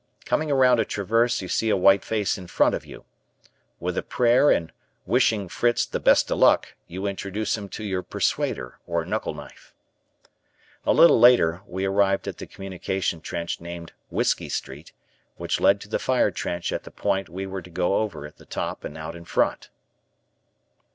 Coming around a traverse you see a white face in front of you. With a prayer and wishing Fritz "the best o' luck," you introduce him to your "persuader" or knuckle knife. A little later we arrived at the communication trench named Whiskey Street, which led to the fire trench at the point we were to go over the top and out in front.